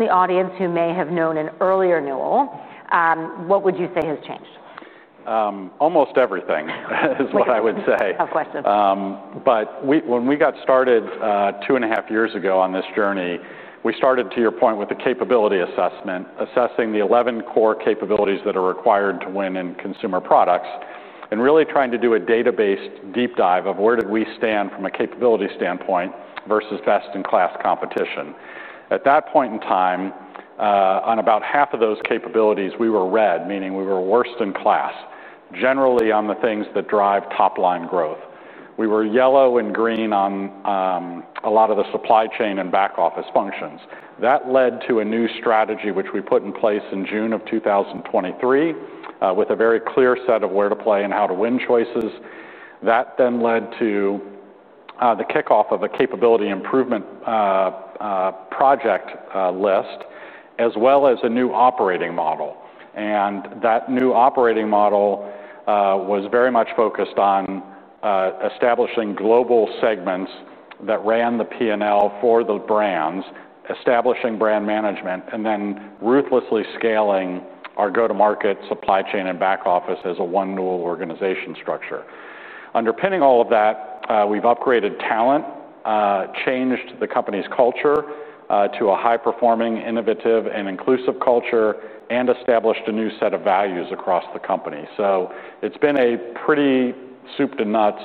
The audience who may have known an earlier Newell, what would you say has changed? Almost everything is what I would say. Of course. But when we got started two and a half years ago on this journey, we started, to your point, with the capability assessment, assessing the 11 core capabilities that are required to win in consumer products, and really trying to do a database deep dive of where did we stand from a capability standpoint versus best-in-class competition. At that point in time, on about half of those capabilities, we were red, meaning we were worst in class, generally on the things that drive top-line growth. We were yellow and green on a lot of the supply chain and back-office functions. That led to a new strategy, which we put in place in June of 2023, with a very clear set of where to play and how to win choices. That then led to the kickoff of a capability improvement project list, as well as a new operating model. That new operating model was very much focused on establishing global segments that ran the P&L for the brands, establishing brand management, and then ruthlessly scaling our go-to-market, supply chain, and back-office as a one Newell organization structure. Underpinning all of that, we've upgraded talent, changed the company's culture to a high-performing, innovative, and inclusive culture, and established a new set of values across the company. It's been a pretty soup-to-nuts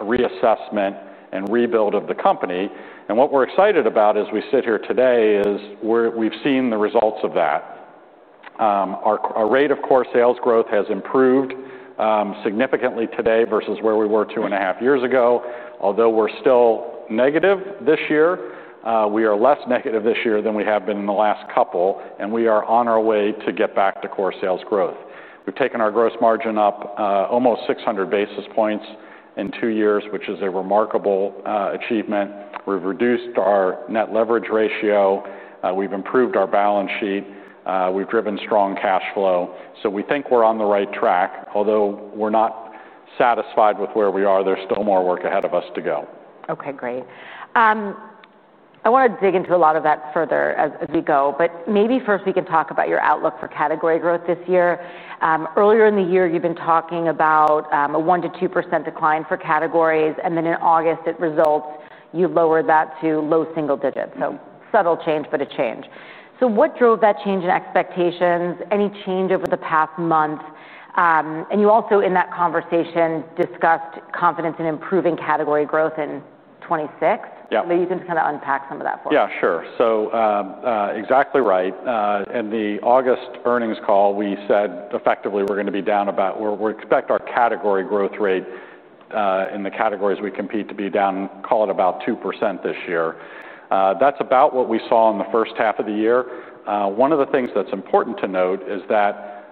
reassessment and rebuild of the company. What we're excited about as we sit here today is we've seen the results of that. Our rate of core sales growth has improved significantly today versus where we were two and a half years ago. Although we're still negative this year, we are less negative this year than we have been in the last couple, and we are on our way to get back to core sales growth. We've taken our gross margin up almost 600 basis points in two years, which is a remarkable achievement. We've reduced our net leverage ratio. We've improved our balance sheet. We've driven strong cash flow. So we think we're on the right track. Although we're not satisfied with where we are, there's still more work ahead of us to go. Okay, great. I want to dig into a lot of that further as we go, but maybe first we can talk about your outlook for category growth this year. Earlier in the year, you've been talking about a 1%-2% decline for categories, and then in August, you revised that to low single digits. So subtle change, but a change. So what drove that change in expectations? Any change over the past month? And you also, in that conversation, discussed confidence in improving category growth in 2026. Maybe you can kind of unpack some of that for us. Yeah, sure. So exactly right. In the August earnings call, we said effectively we're going to be down about where we expect our category growth rate in the categories we compete to be down, call it about 2% this year. That's about what we saw in the first half of the year. One of the things that's important to note is that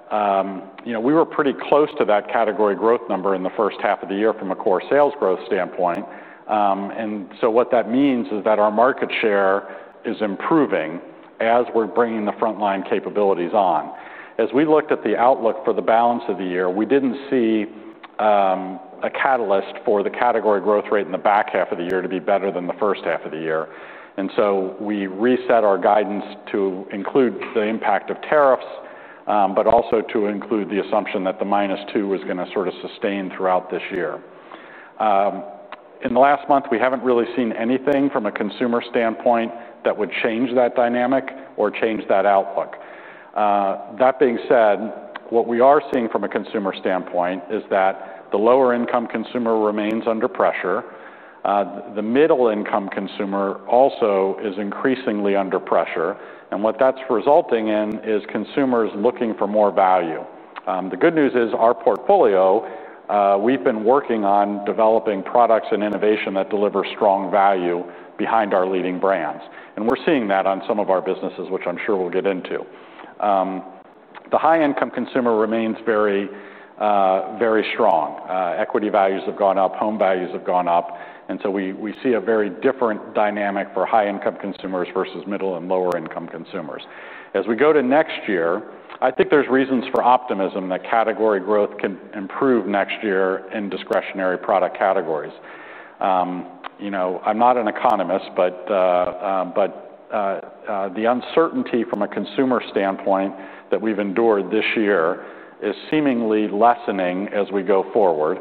we were pretty close to that category growth number in the first half of the year from a core sales growth standpoint. And so what that means is that our market share is improving as we're bringing the front-line capabilities on. As we looked at the outlook for the balance of the year, we didn't see a catalyst for the category growth rate in the back half of the year to be better than the first half of the year. And so we reset our guidance to include the impact of tariffs, but also to include the assumption that the minus two was going to sort of sustain throughout this year. In the last month, we haven't really seen anything from a consumer standpoint that would change that dynamic or change that outlook. That being said, what we are seeing from a consumer standpoint is that the lower-income consumer remains under pressure. The middle-income consumer also is increasingly under pressure. And what that's resulting in is consumers looking for more value. The good news is our portfolio, we've been working on developing products and innovation that deliver strong value behind our leading brands. And we're seeing that on some of our businesses, which I'm sure we'll get into. The high-income consumer remains very, very strong. Equity values have gone up, home values have gone up. We see a very different dynamic for high-income consumers versus middle and lower-income consumers. As we go to next year, I think there's reasons for optimism that category growth can improve next year in discretionary product categories. I'm not an economist, but the uncertainty from a consumer standpoint that we've endured this year is seemingly lessening as we go forward.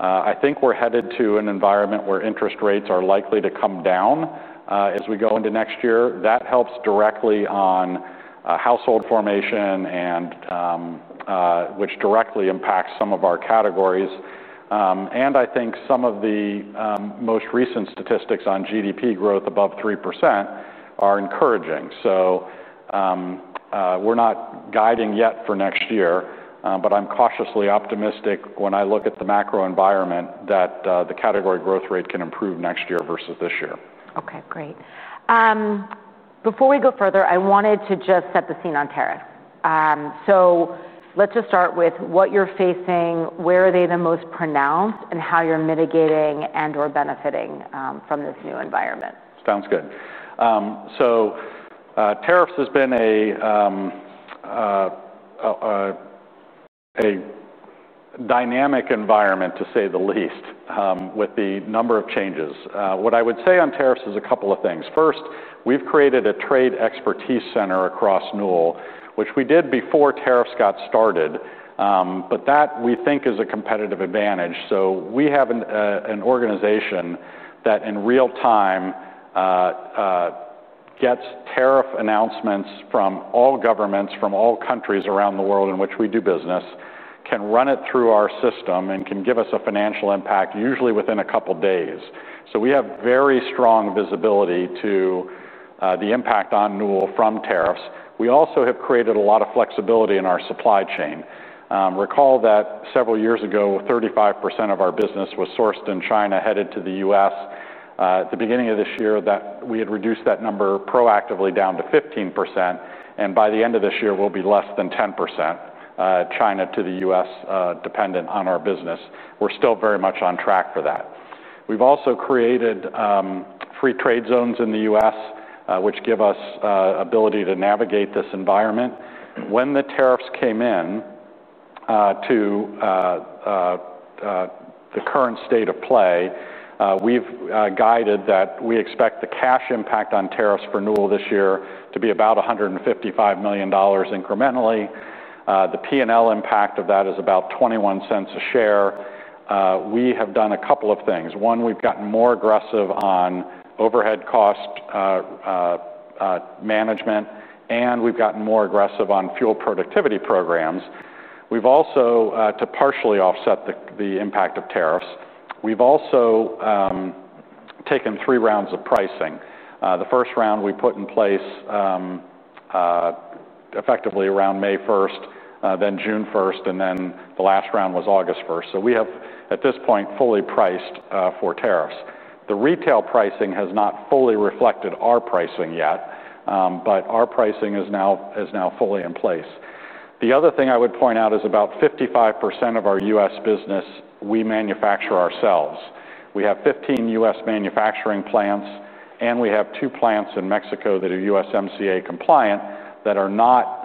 I think we're headed to an environment where interest rates are likely to come down as we go into next year. That helps directly on household formation, which directly impacts some of our categories. I think some of the most recent statistics on GDP growth above 3% are encouraging. We're not guiding yet for next year, but I'm cautiously optimistic when I look at the macro environment that the category growth rate can improve next year versus this year. Okay, great. Before we go further, I wanted to just set the scene on tariffs. So let's just start with what you're facing, where are they the most pronounced, and how you're mitigating and/or benefiting from this new environment. Sounds good. So tariffs have been a dynamic environment, to say the least, with the number of changes. What I would say on tariffs is a couple of things. First, we've created a trade expertise center across Newell, which we did before tariffs got started, but that we think is a competitive advantage. So we have an organization that in real time gets tariff announcements from all governments, from all countries around the world in which we do business, can run it through our system, and can give us a financial impact, usually within a couple of days. So we have very strong visibility to the impact on Newell from tariffs. We also have created a lot of flexibility in our supply chain. Recall that several years ago, 35% of our business was sourced in China headed to the U.S. At the beginning of this year, we had reduced that number proactively down to 15%, and by the end of this year, we'll be less than 10% China to the U.S. dependent on our business. We're still very much on track for that. We've also created free trade zones in the U.S., which give us the ability to navigate this environment. When the tariffs came into the current state of play, we've guided that we expect the cash impact on tariffs for Newell this year to be about $155 million incrementally. The P&L impact of that is about $0.21 a share. We have done a couple of things. One, we've gotten more aggressive on overhead cost management, and we've gotten more aggressive on full productivity programs. We've also, to partially offset the impact of tariffs, we've also taken three rounds of pricing. The first round we put in place effectively around May 1st, then June 1st, and then the last round was August 1st. So we have, at this point, fully priced for tariffs. The retail pricing has not fully reflected our pricing yet, but our pricing is now fully in place. The other thing I would point out is about 55% of our U.S. business we manufacture ourselves. We have 15 U.S. manufacturing plants, and we have two plants in Mexico that are USMCA compliant that are not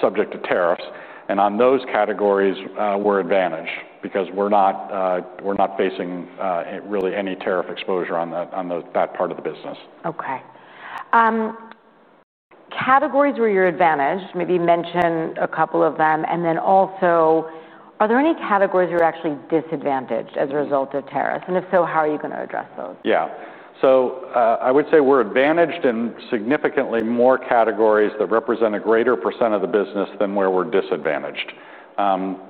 subject to tariffs, and on those categories, we're advantaged because we're not facing really any tariff exposure on that part of the business. Okay. Categories where you're advantaged, maybe mention a couple of them. And then also, are there any categories where you're actually disadvantaged as a result of tariffs? And if so, how are you going to address those? Yeah. So I would say we're advantaged in significantly more categories that represent a greater percent of the business than where we're disadvantaged.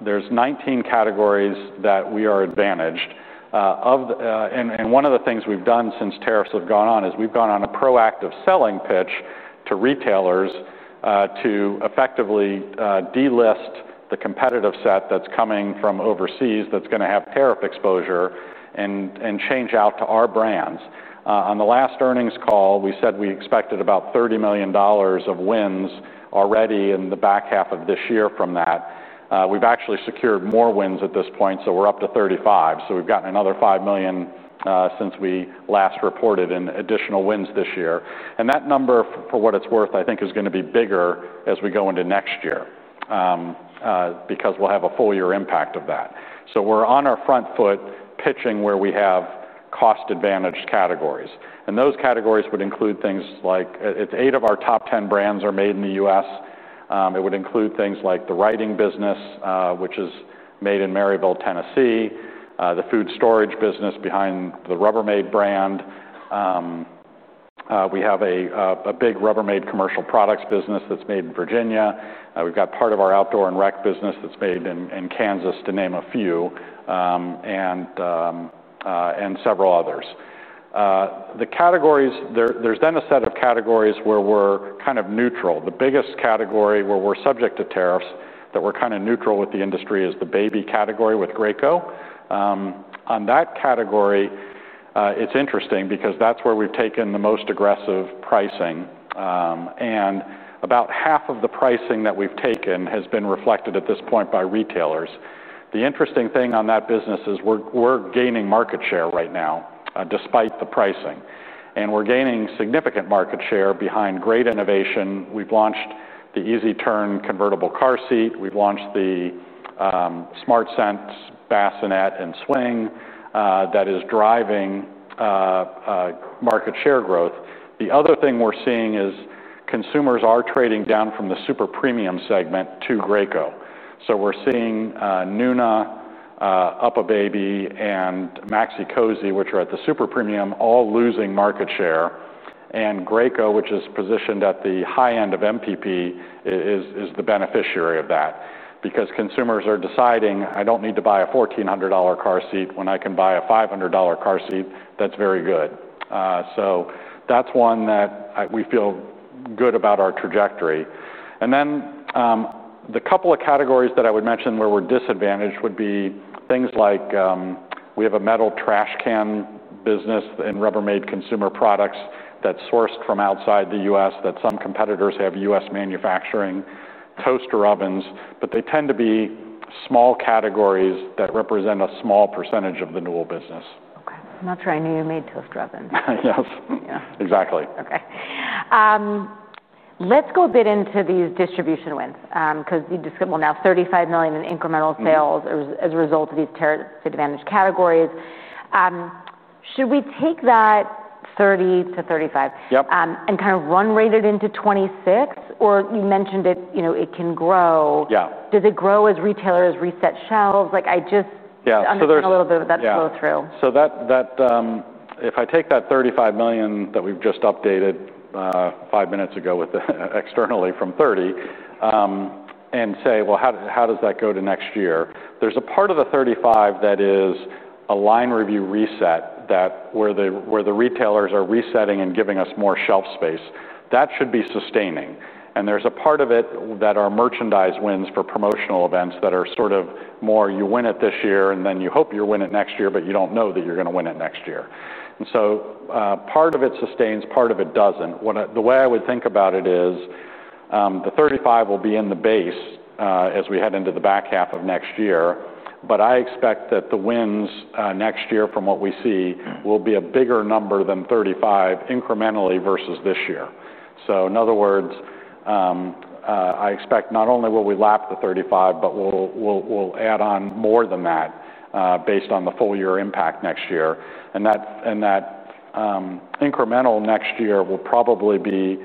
There's 19 categories that we are advantaged. And one of the things we've done since tariffs have gone on is we've gone on a proactive selling pitch to retailers to effectively delist the competitive set that's coming from overseas that's going to have tariff exposure and change out to our brands. On the last earnings call, we said we expected about $30 million of wins already in the back half of this year from that. We've actually secured more wins at this point, so we're up to 35. So we've gotten another $5 million since we last reported in additional wins this year. That number, for what it's worth, I think is going to be bigger as we go into next year because we'll have a full year impact of that. We're on our front foot pitching where we have cost-advantaged categories. Those categories would include things like eight of our top 10 brands are made in the U.S. It would include things like the writing business, which is made in Maryville, Tennessee. The food storage business behind the Rubbermaid brand. We have a big Rubbermaid Commercial Products business that's made in Virginia. We've got part of our Outdoor & Rec business that's made in Kansas, to name a few, and several others. There's then a set of categories where we're kind of neutral. The biggest category where we're subject to tariffs that we're kind of neutral with the industry is the baby category with Graco. On that category, it's interesting because that's where we've taken the most aggressive pricing. And about half of the pricing that we've taken has been reflected at this point by retailers. The interesting thing on that business is we're gaining market share right now despite the pricing. And we're gaining significant market share behind great innovation. We've launched the EasyTurn convertible car seat. We've launched the SmartSense bassinet and swing that is driving market share growth. The other thing we're seeing is consumers are trading down from the super premium segment to Graco. So we're seeing Nuna, UPPAbaby, and Maxi-Cosi, which are at the super premium, all losing market share. And Graco, which is positioned at the high end of MPP, is the beneficiary of that because consumers are deciding, "I don't need to buy a $1,400 car seat when I can buy a $500 car seat. That's very good." So that's one that we feel good about our trajectory. And then the couple of categories that I would mention where we're disadvantaged would be things like we have a metal trash can business in Rubbermaid consumer products that's sourced from outside the U.S. that some competitors have U.S. manufacturing: toaster ovens. But they tend to be small categories that represent a small percentage of the Newell business. Okay. I'm not sure I knew you made toaster ovens. Yes. Exactly. Okay. Let's go a bit into these distribution wins because you just said, "Well, now $35 million in incremental sales as a result of these tariffs advantage categories." Should we take that $30-$35 million and kind of run rate it into 2026? Or you mentioned it can grow. Does it grow as retailers reset shelves? I just understand a little bit of that flow through. Yeah. So if I take that $35 million that we've just updated five minutes ago externally from $30 million and say, "Well, how does that go to next year?" There's a part of the $35 million that is a line review reset where the retailers are resetting and giving us more shelf space. That should be sustaining. And there's a part of it that are merchandise wins for promotional events that are sort of more, "You win it this year, and then you hope you win it next year, but you don't know that you're going to win it next year." And so part of it sustains, part of it doesn't. The way I would think about it is the $35 million will be in the base as we head into the back half of next year. But I expect that the wins next year from what we see will be a bigger number than $35 million incrementally versus this year. So in other words, I expect not only will we lap the $35 million, but we'll add on more than that based on the full year impact next year. And that incremental next year will probably be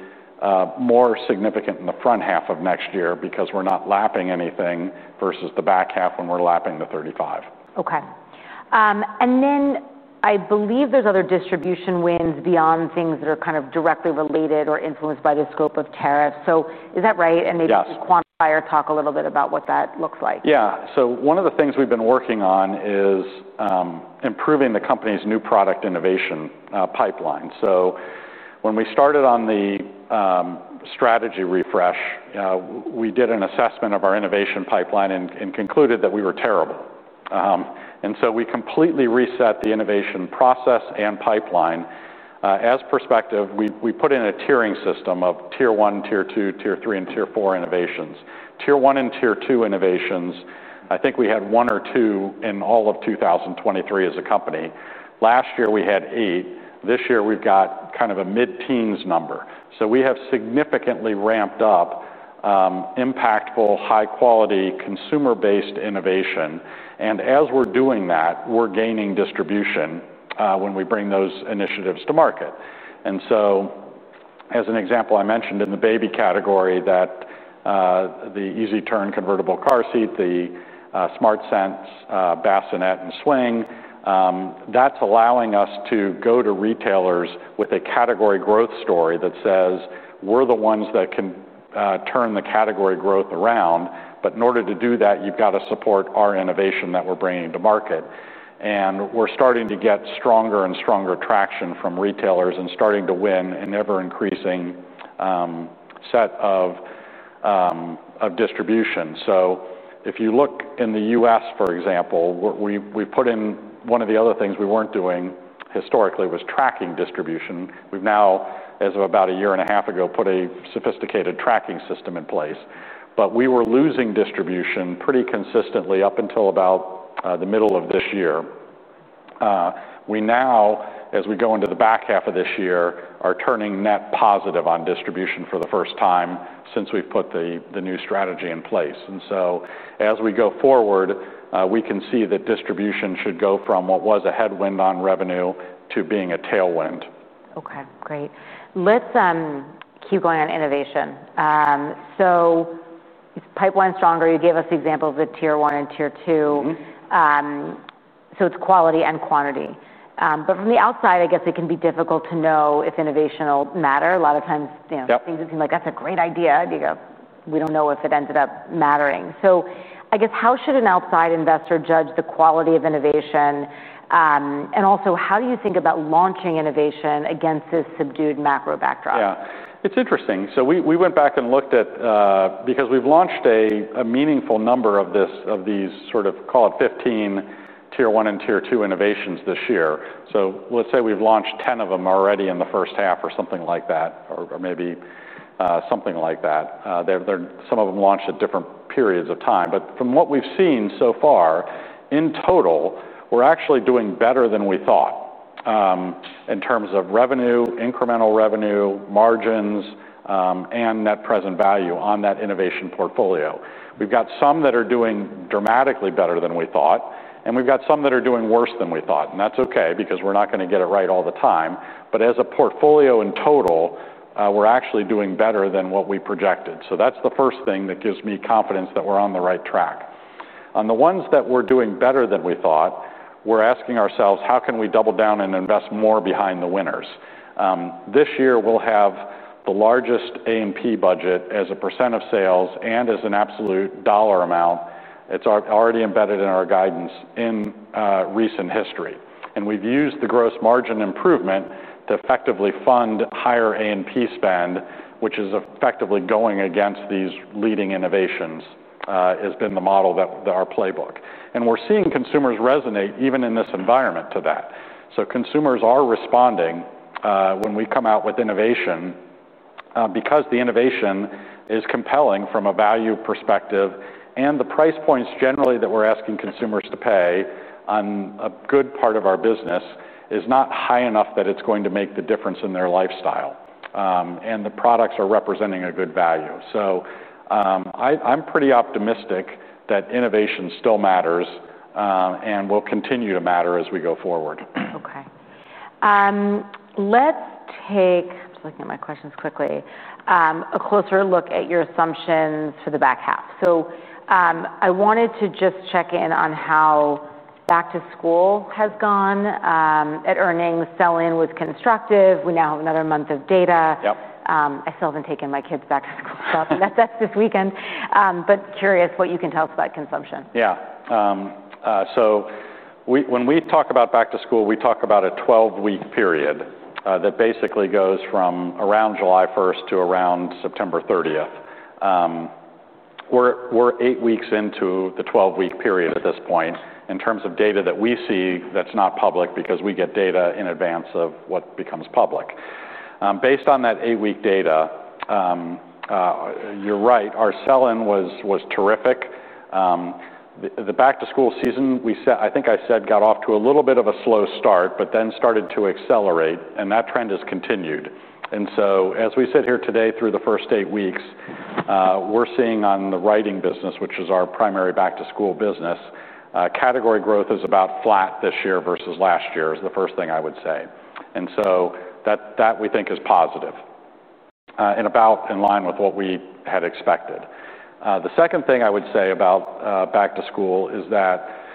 more significant in the front half of next year because we're not lapping anything versus the back half when we're lapping the $35 million. Okay. And then I believe there's other distribution wins beyond things that are kind of directly related or influenced by the scope of tariffs. So is that right? And maybe you can quantify or talk a little bit about what that looks like. Yeah. So one of the things we've been working on is improving the company's new product innovation pipeline. So when we started on the strategy refresh, we did an assessment of our innovation pipeline and concluded that we were terrible. And so we completely reset the innovation process and pipeline. For perspective, we put in a tiering system of Tier 1, Tier 2, Tier 3, and Tier 4 innovations. Tier 1 and Tier 2 innovations, I think we had one or two in all of 2023 as a company. Last year, we had eight. This year, we've got kind of a mid-teens number. So we have significantly ramped up impactful, high-quality consumer-based innovation. And as we're doing that, we're gaining distribution when we bring those initiatives to market. And so as an example, I mentioned in the baby category that the EasyTurn convertible car seat, the SmartSense bassinet and swing, that's allowing us to go to retailers with a category growth story that says, "We're the ones that can turn the category growth around." But in order to do that, you've got to support our innovation that we're bringing to market. And we're starting to get stronger and stronger traction from retailers and starting to win an ever-increasing set of distribution. So if you look in the U.S., for example, we put in one of the other things we weren't doing historically was tracking distribution. We've now, as of about a year and a half ago, put a sophisticated tracking system in place. But we were losing distribution pretty consistently up until about the middle of this year. We now, as we go into the back half of this year, are turning net positive on distribution for the first time since we've put the new strategy in place. And so as we go forward, we can see that distribution should go from what was a headwind on revenue to being a tailwind. Okay. Great. Let's keep going on innovation. So pipeline's stronger. You gave us examples of Tier 1 and Tier 2. So it's quality and quantity. But from the outside, I guess it can be difficult to know if innovation will matter. A lot of times, things seem like, "That's a great idea." We don't know if it ended up mattering. So I guess how should an outside investor judge the quality of innovation? And also, how do you think about launching innovation against this subdued macro backdrop? Yeah. It's interesting, so we went back and looked at because we've launched a meaningful number of these sort of, call it 15 Tier 1 and Tier 2 innovations this year. So let's say we've launched 10 of them already in the first half or something like that, or maybe something like that. Some of them launched at different periods of time, but from what we've seen so far, in total, we're actually doing better than we thought in terms of revenue, incremental revenue, margins, and net present value on that innovation portfolio. We've got some that are doing dramatically better than we thought, and we've got some that are doing worse than we thought, and that's okay because we're not going to get it right all the time, but as a portfolio in total, we're actually doing better than what we projected. So that's the first thing that gives me confidence that we're on the right track. On the ones that we're doing better than we thought, we're asking ourselves, "How can we double down and invest more behind the winners?" This year, we'll have the largest A&P budget as a percent of sales and as an absolute dollar amount and we've used the gross margin improvement to effectively fund higher A&P spend, which is effectively going against these leading innovations has been the model that our playbook and we're seeing consumers resonate even in this environment to that so consumers are responding when we come out with innovation because the innovation is compelling from a value perspective. And the price points generally that we're asking consumers to pay on a good part of our business is not high enough that it's going to make the difference in their lifestyle. And the products are representing a good value. So I'm pretty optimistic that innovation still matters and will continue to matter as we go forward. Okay. Let's take (I'm just looking at my questions quickly) a closer look at your assumptions for the back half. So I wanted to just check in on how back to school has gone at earnings. Selling was constructive. We now have another month of data. I still haven't taken my kids back to school, so that's this weekend. But curious what you can tell us about consumption. Yeah. So when we talk about back to school, we talk about a 12-week period that basically goes from around July 1st to around September 30th. We're eight weeks into the 12-week period at this point in terms of data that we see that's not public because we get data in advance of what becomes public. Based on that eight-week data, you're right. Our selling was terrific. The back to school season, I think I said, got off to a little bit of a slow start, but then started to accelerate. And that trend has continued. And so as we sit here today through the first eight weeks, we're seeing on the writing business, which is our primary back to school business, category growth is about flat this year versus last year is the first thing I would say. And so that we think is positive and about in line with what we had expected. The second thing I would say about back to school is that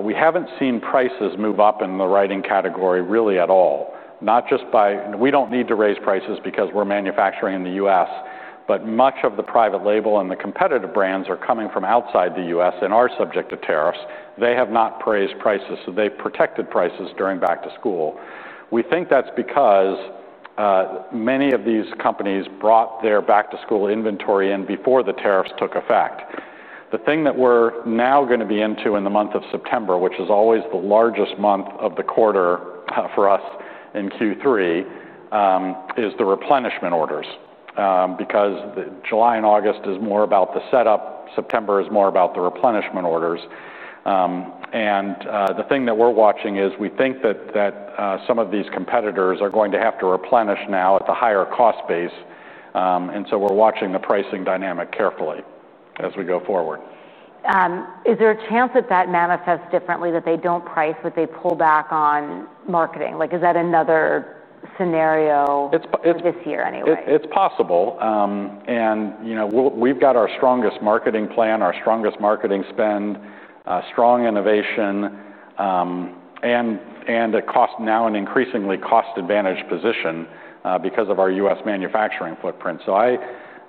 we haven't seen prices move up in the writing category really at all. Not just by, we don't need to raise prices because we're manufacturing in the U.S., but much of the private label and the competitive brands are coming from outside the U.S. and are subject to tariffs. They have not raised prices, so they've protected prices during back to school. We think that's because many of these companies brought their back to school inventory in before the tariffs took effect. The thing that we're now going to be into in the month of September, which is always the largest month of the quarter for us in Q3, is the replenishment orders because July and August is more about the setup. September is more about the replenishment orders. And the thing that we're watching is we think that some of these competitors are going to have to replenish now at the higher cost base. And so we're watching the pricing dynamic carefully as we go forward. Is there a chance that that manifests differently, that they don't price what they pull back on marketing? Is that another scenario this year anyway? It's possible. And we've got our strongest marketing plan, our strongest marketing spend, strong innovation, and a cost now an increasingly cost-advantaged position because of our U.S. manufacturing footprint. So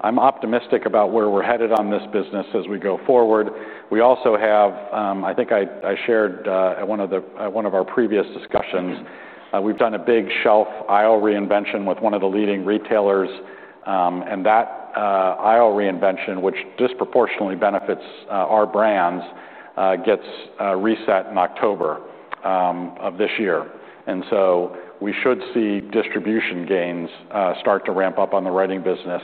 I'm optimistic about where we're headed on this business as we go forward. We also have (I think I shared at one of our previous discussions) we've done a big shelf aisle reinvention with one of the leading retailers. And that aisle reinvention, which disproportionately benefits our brands, gets reset in October of this year. And so we should see distribution gains start to ramp up on the writing business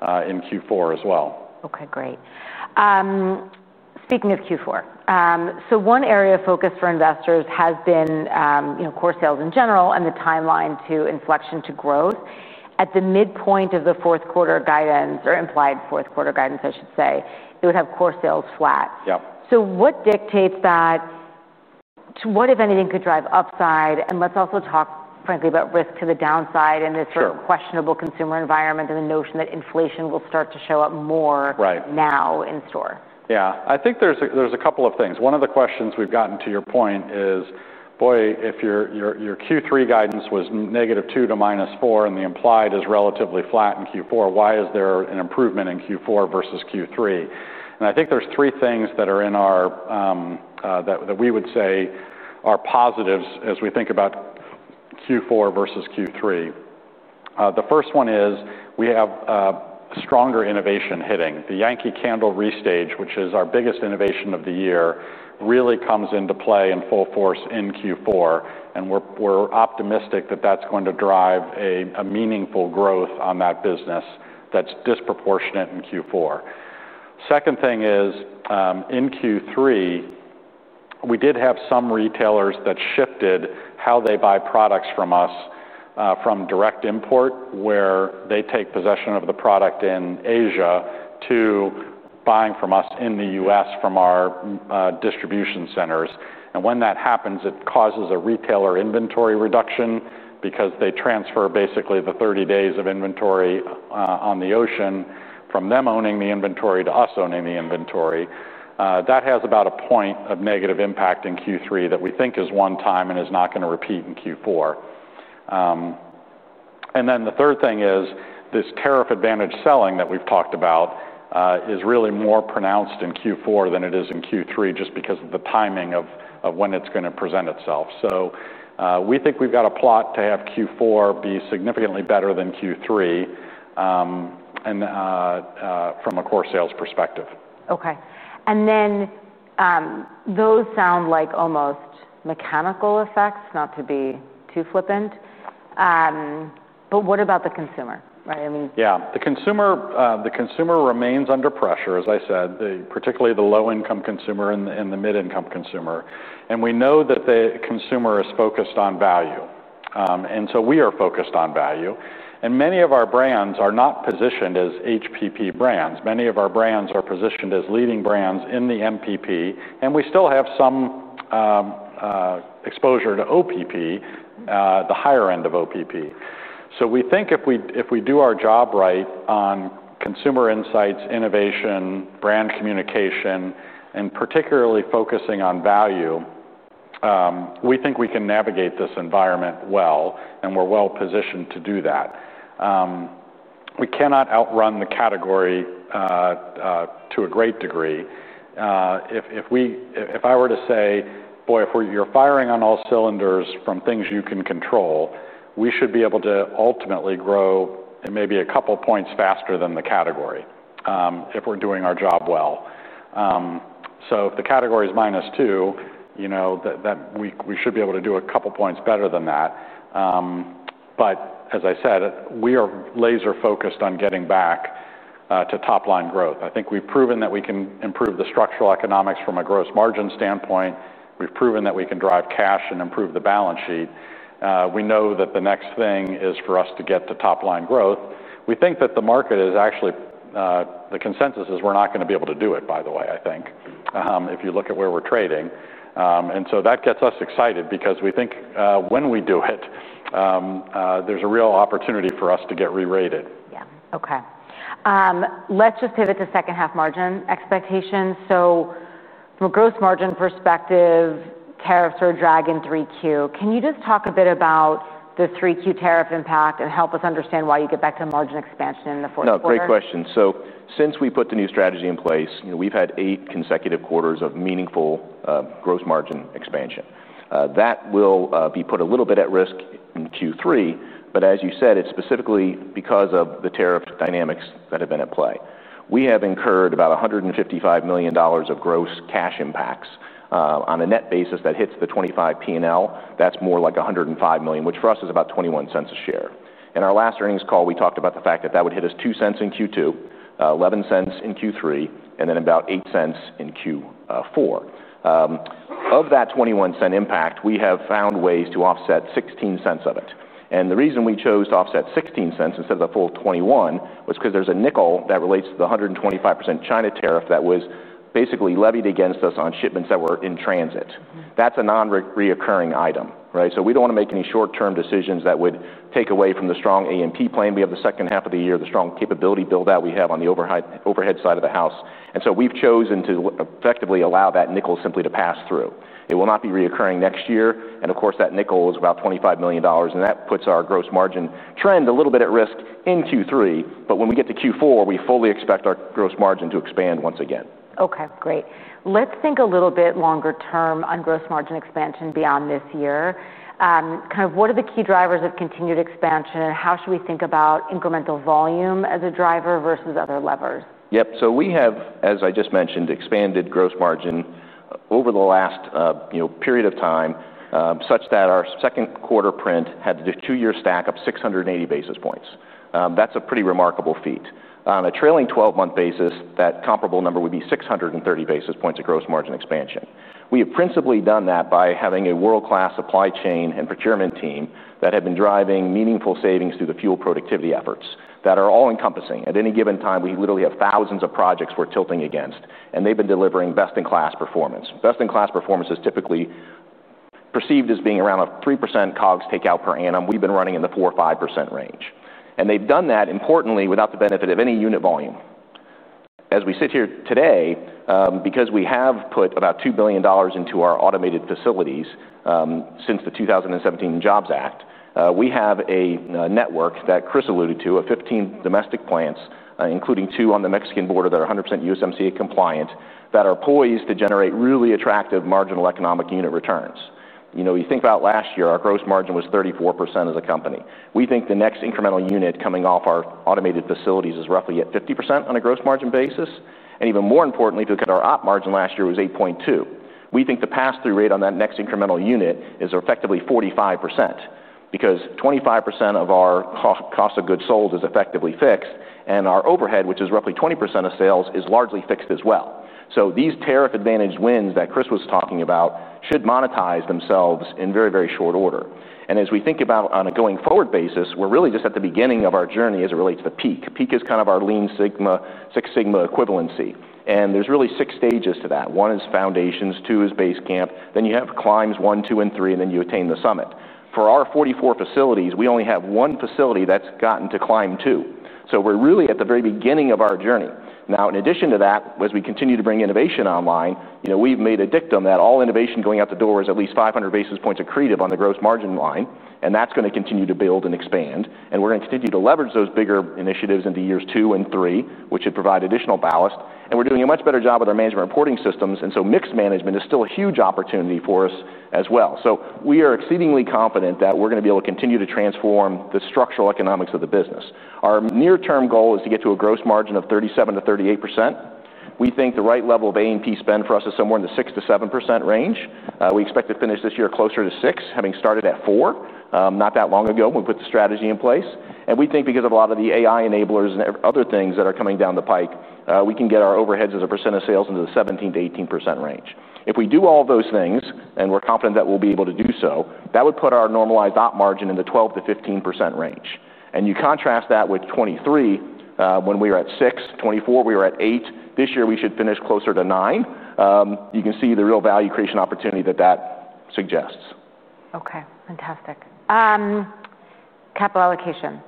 in Q4 as well. Okay. Great. Speaking of Q4, so one area of focus for investors has been core sales in general and the timeline to inflection to growth. At the midpoint of the fourth quarter guidance, or implied fourth quarter guidance, I should say, it would have core sales flat. So what dictates that? What, if anything, could drive upside? And let's also talk frankly about risk to the downside in this questionable consumer environment and the notion that inflation will start to show up more now in store. Yeah. I think there's a couple of things. One of the questions we've gotten to your point is, "Boy, if your Q3 guidance was -2 to -4 and the implied is relatively flat in Q4, why is there an improvement in Q4 versus Q3?" And I think there's three things that are in our, that we would say are positives as we think about Q4 versus Q3. The first one is we have stronger innovation hitting. The Yankee Candle Restage, which is our biggest innovation of the year, really comes into play in full force in Q4. And we're optimistic that that's going to drive a meaningful growth on that business that's disproportionate in Q4. Second thing is in Q3, we did have some retailers that shifted how they buy products from us from direct import, where they take possession of the product in Asia to buying from us in the U.S. from our distribution centers. And when that happens, it causes a retailer inventory reduction because they transfer basically the 30 days of inventory on the ocean from them owning the inventory to us owning the inventory. That has about a point of negative impact in Q3 that we think is one time and is not going to repeat in Q4. And then the third thing is this tariff-advantaged selling that we've talked about is really more pronounced in Q4 than it is in Q3 just because of the timing of when it's going to present itself. We think we've got a plot to have Q4 be significantly better than Q3 from a core sales perspective. Okay. And then those sound like almost mechanical effects, not to be too flippant. But what about the consumer? Right? I mean. Yeah. The consumer remains under pressure, as I said, particularly the low-income consumer and the mid-income consumer. And we know that the consumer is focused on value. And so we are focused on value. And many of our brands are not positioned as HPP brands. Many of our brands are positioned as leading brands in the MPP. And we still have some exposure to OPP, the higher end of OPP. So we think if we do our job right on consumer insights, innovation, brand communication, and particularly focusing on value, we think we can navigate this environment well and we're well positioned to do that. We cannot outrun the category to a great degree. If I were to say, "Boy, if you're firing on all cylinders from things you can control, we should be able to ultimately grow maybe a couple points faster than the category if we're doing our job well." So if the category is -2, we should be able to do a couple points better than that. But as I said, we are laser-focused on getting back to top-line growth. I think we've proven that we can improve the structural economics from a gross margin standpoint. We've proven that we can drive cash and improve the balance sheet. We know that the next thing is for us to get to top-line growth. We think that the market is actually, the consensus is we're not going to be able to do it, by the way, I think, if you look at where we're trading. And so that gets us excited because we think when we do it, there's a real opportunity for us to get re-rated. Yeah. Okay. Let's just pivot to second-half margin expectations. So from a gross margin perspective, tariffs are a drag in 3Q. Can you just talk a bit about the 3Q tariff impact and help us understand why you get back to margin expansion in the fourth quarter? No. Great question. So since we put the new strategy in place, we've had eight consecutive quarters of meaningful gross margin expansion. That will be put a little bit at risk in Q3, but as you said, it's specifically because of the tariff dynamics that have been at play. We have incurred about $155 million of gross cash impacts on a net basis that hits our P&L. That's more like $105 million, which for us is about $0.21 a share. In our last earnings call, we talked about the fact that that would hit us $0.02 in Q2, $0.11 in Q3, and then about $0.08 in Q4. Of that $0.21 impact, we have found ways to offset $0.16 of it. And the reason we chose to offset $0.16 instead of the full $0.21 was because there's a nickel that relates to the 125% China tariff that was basically levied against us on shipments that were in transit. That's a nonrecurring item. Right? So we don't want to make any short-term decisions that would take away from the strong A&P plan. We have the second half of the year, the strong capability buildout we have on the overhead side of the house. And so we've chosen to effectively allow that nickel simply to pass through. It will not be recurring next year. And of course, that nickel is about $25 million. And that puts our gross margin trend a little bit at risk in Q3. But when we get to Q4, we fully expect our gross margin to expand once again. Okay. Great. Let's think a little bit longer term on gross margin expansion beyond this year. Kind of what are the key drivers of continued expansion and how should we think about incremental volume as a driver versus other levers? Yep. So we have, as I just mentioned, expanded gross margin over the last period of time such that our second quarter print had the two-year stack up 680 basis points. That's a pretty remarkable feat. On a trailing 12-month basis, that comparable number would be 630 basis points of gross margin expansion. We have principally done that by having a world-class supply chain and procurement team that have been driving meaningful savings through the fuel productivity efforts. That are all-encompassing. At any given time, we literally have thousands of projects we're tilting against, and they've been delivering best-in-class performance. Best-in-class performance is typically perceived as being around a 3% COGS takeout per annum. We've been running in the 4%-5% range. And they've done that, importantly, without the benefit of any unit volume. As we sit here today, because we have put about $2 billion into our automated facilities since the 2017 Jobs Act, we have a network that Chris alluded to of 15 domestic plants, including two on the Mexican border that are 100% USMCA compliant, that are poised to generate really attractive marginal economic unit returns. You think about last year, our gross margin was 34% as a company. We think the next incremental unit coming off our automated facilities is roughly at 50% on a gross margin basis. And even more importantly, because our op margin last year was 8.2%, we think the pass-through rate on that next incremental unit is effectively 45% because 25% of our cost of goods sold is effectively fixed, and our overhead, which is roughly 20% of sales, is largely fixed as well. These tariff-advantaged wins that Chris was talking about should monetize themselves in very, very short order. And as we think about on a going-forward basis, we're really just at the beginning of our journey as it relates to the PEAK. PEAK is kind of our Lean Six Sigma equivalency. And there's really six stages to that. One is foundations, two is base camp, then you have climbs one, two, and three, and then you attain the summit. For our 44 facilities, we only have one facility that's gotten to climb two. So we're really at the very beginning of our journey. Now, in addition to that, as we continue to bring innovation online, we've made a dictum that all innovation going out the door is at least 500 basis points accretive on the gross margin line, and that's going to continue to build and expand. We're going to continue to leverage those bigger initiatives into years two and three, which should provide additional ballast. We're doing a much better job with our management reporting systems. Mix management is still a huge opportunity for us as well. We are exceedingly confident that we're going to be able to continue to transform the structural economics of the business. Our near-term goal is to get to a gross margin of 37%-38%. We think the right level of A&P spend for us is somewhere in the 6%-7% range. We expect to finish this year closer to 6%, having started at 4% not that long ago when we put the strategy in place. And we think because of a lot of the AI enablers and other things that are coming down the pike, we can get our overheads as a percent of sales into the 17%-18% range. If we do all of those things and we're confident that we'll be able to do so, that would put our normalized op margin in the 12%-15% range. And you contrast that with 2023 when we were at 6%, 2024 we were at 8%. This year, we should finish closer to 9%. You can see the real value creation opportunity that that suggests. Okay. Fantastic. Capital allocation.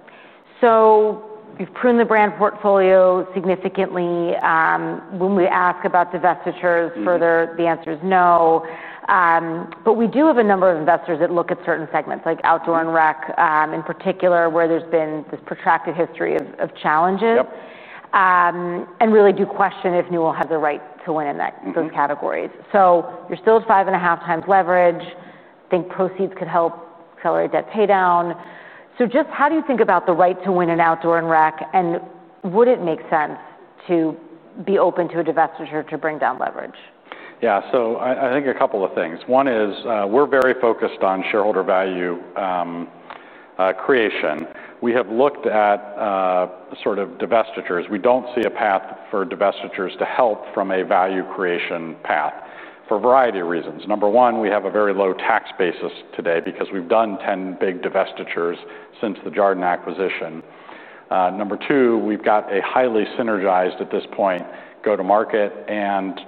So you've pruned the brand portfolio significantly. When we ask about divestitures further, the answer is no. But we do have a number of investors that look at certain segments like Outdoor & Rec in particular, where there's been this protracted history of challenges and really do question if Newell has a right to win in those categories. So you're still at five and a half times leverage. Think proceeds could help accelerate debt paydown. So just how do you think about the right to win in outdoor and rec, and would it make sense to be open to a divestiture to bring down leverage? Yeah. So I think a couple of things. One is we're very focused on shareholder value creation. We have looked at sort of divestitures. We don't see a path for divestitures to help from a value creation path for a variety of reasons. Number one, we have a very low tax basis today because we've done 10 big divestitures since the Jarden acquisition. Number two, we've got a highly synergized at this point go-to-market and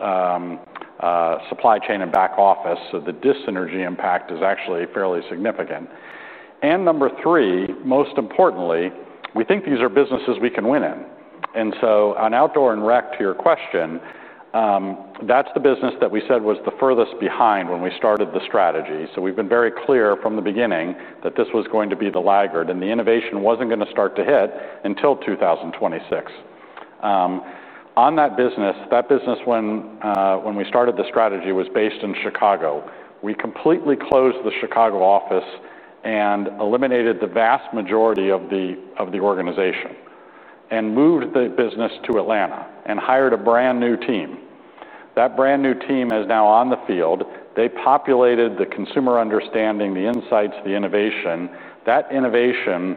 supply chain and back office. So the dis-synergy impact is actually fairly significant. And number three, most importantly, we think these are businesses we can win in. And so on Outdoor & Rec, to your question, that's the business that we said was the furthest behind when we started the strategy. So we've been very clear from the beginning that this was going to be the laggard, and the innovation wasn't going to start to hit until 2026. On that business, that business when we started the strategy was based in Chicago. We completely closed the Chicago office and eliminated the vast majority of the organization and moved the business to Atlanta and hired a brand new team. That brand new team is now on the field. They populated the consumer understanding, the insights, the innovation. That innovation,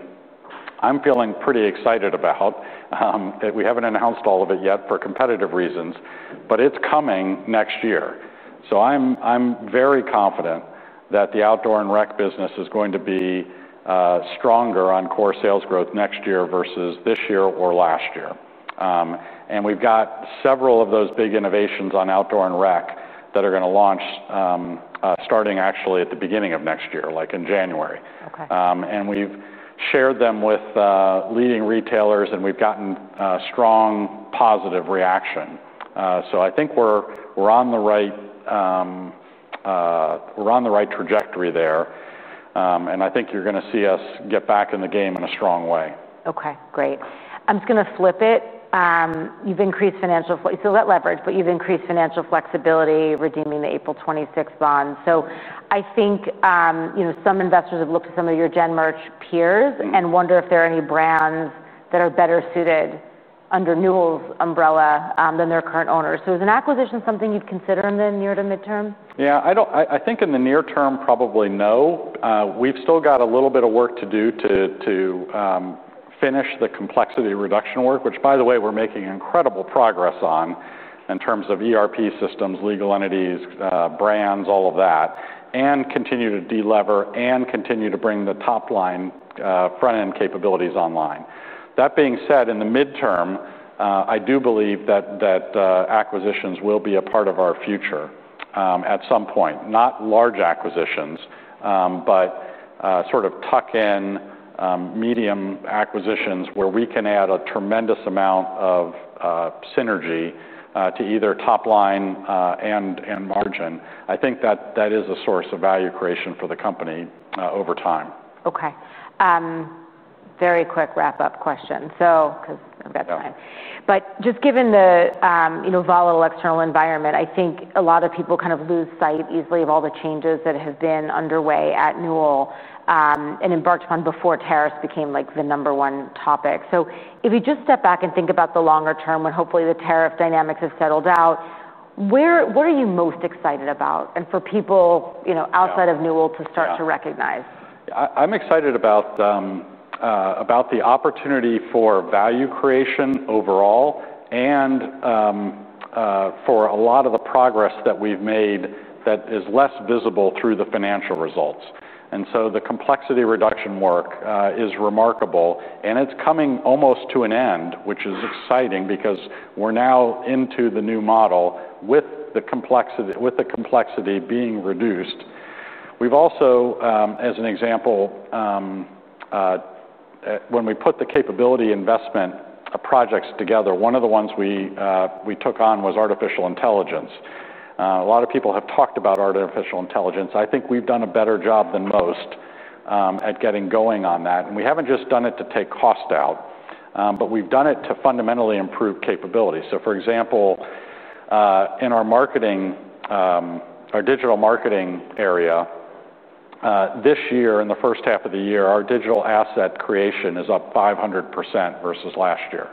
I'm feeling pretty excited about. We haven't announced all of it yet for competitive reasons, but it's coming next year. So I'm very confident that the Outdoor & Rec business is going to be stronger on core sales growth next year versus this year or last year. And we've got several of those big innovations on Outdoor & Rec that are going to launch starting actually at the beginning of next year, like in January. And we've shared them with leading retailers, and we've gotten a strong positive reaction. So I think we're on the right trajectory there. And I think you're going to see us get back in the game in a strong way. Okay. Great. I'm just going to flip it. You've increased financial so that leverage, but you've increased financial flexibility redeeming the April '26 bond. So I think some investors have looked at some of your Gen Merch peers and wonder if there are any brands that are better suited under Newell's umbrella than their current owners. So is an acquisition something you'd consider in the near- to midterm? Yeah. I think in the near term, probably no. We've still got a little bit of work to do to finish the complexity reduction work, which, by the way, we're making incredible progress on in terms of ERP systems, legal entities, brands, all of that, and continue to delever and continue to bring the top-line front-end capabilities online. That being said, in the midterm, I do believe that acquisitions will be a part of our future at some point. Not large acquisitions, but sort of tuck-in medium acquisitions where we can add a tremendous amount of synergy to either top-line and margin. I think that that is a source of value creation for the company over time. Okay. Very quick wrap-up question because I've got time. But just given the volatile external environment, I think a lot of people kind of lose sight easily of all the changes that have been underway at Newell and embarked upon before tariffs became the number one topic. So if you just step back and think about the longer term when hopefully the tariff dynamics have settled out, what are you most excited about for people outside of Newell to start to recognize? I'm excited about the opportunity for value creation overall and for a lot of the progress that we've made that is less visible through the financial results, and so the complexity reduction work is remarkable, and it's coming almost to an end, which is exciting because we're now into the new model with the complexity being reduced. We've also, as an example, when we put the capability investment of projects together, one of the ones we took on was artificial intelligence. A lot of people have talked about artificial intelligence. I think we've done a better job than most at getting going on that, and we haven't just done it to take cost out, but we've done it to fundamentally improve capability. For example, in our digital marketing area, this year in the first half of the year, our digital asset creation is up 500% versus last year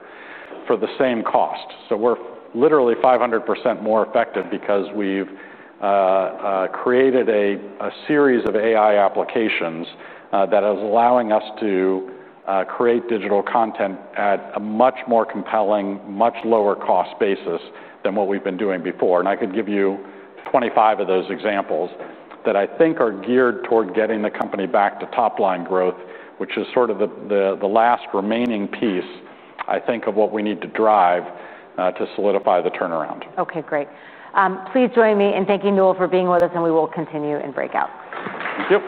for the same cost. We're literally 500% more effective because we've created a series of AI applications that are allowing us to create digital content at a much more compelling, much lower-cost basis than what we've been doing before. I could give you 25 of those examples that I think are geared toward getting the company back to top-line growth, which is sort of the last remaining piece, I think, of what we need to drive to solidify the turnaround. Okay. Great. Please join me in thanking Newell for being with us, and we will continue in breakouts. Thank you.